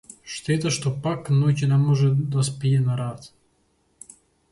Штета што пак ноќе не може да спие на раат.